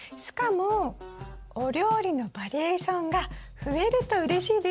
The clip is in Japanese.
しかもお料理のバリエーションが増えるとうれしいです。